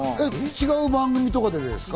違う番組とかでですか？